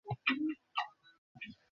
Sam, ওখানে!